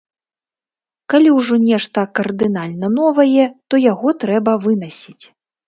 Калі ўжо нешта кардынальна новае, то яго трэба вынасіць.